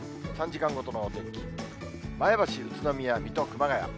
３時間ごとのお天気、前橋、宇都宮、水戸、熊谷。